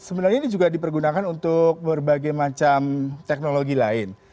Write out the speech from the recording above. sebenarnya ini juga dipergunakan untuk berbagai macam teknologi lain